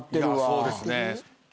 そうですね。